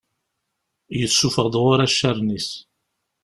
Yessufeɣ-d ɣur-i accaren-is.